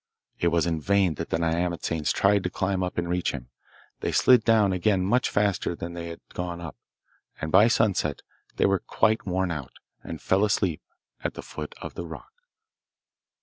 It was in vain that the nyamatsanes tried to climb up and reach him; they slid down again much faster than they had gone up; and by sunset they were quite worn out, and fell asleep at the foot of the rock.